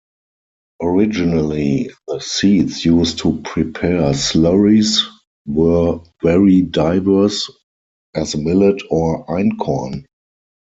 Originally, the seeds used to prepare slurries were very diverse as millet or einkorn.